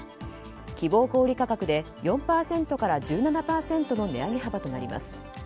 希望小売価格で４％から１７％の値上げ幅となります。